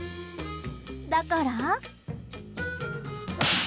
だから。